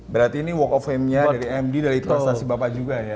berarti ini work of fame nya dari md dari prestasi bapak juga ya